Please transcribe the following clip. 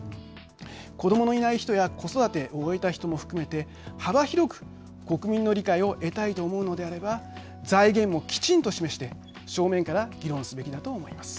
子どものいない人や子育てを終えた人も含めて幅広く国民の理解を得たいと思うのであれば財源もきちんと示して正面から議論すべきだと思います。